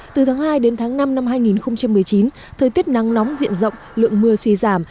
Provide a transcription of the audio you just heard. từ tháng hai đến tháng năm năm hai nghìn một mươi chín thời tiết nắng nóng diện rộng lượng mưa suy giảm